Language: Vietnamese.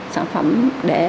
sản phẩm để